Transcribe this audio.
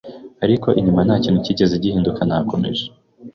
ariko inyuma nta kintu cyigeze gihinduka nakomeje